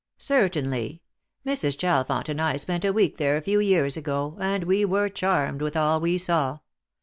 " Certainly. Mrs. Chalfont and I spent a week there a few years ago, and we were charmed with all we saw.